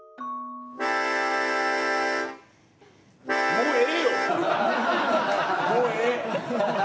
もうええ。